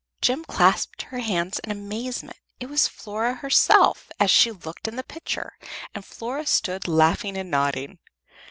Jem clasped her hands in amazement. It was Flora herself, as she looked in the picture, and Flora stood laughing and nodding.